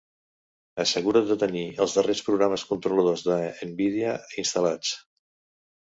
Assegura't de tenir els darrers programes controladors d'Nvidia instal·lats.